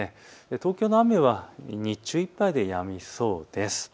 東京の雨は日中いっぱいでやみそうです。